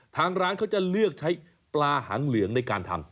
ทางร้านเขาจะเลือกใช้ปลาหางเหลืองในการทำ